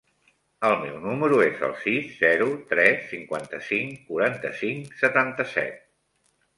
El meu número es el sis, zero, tres, cinquanta-cinc, quaranta-cinc, setanta-set.